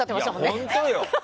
本当よ。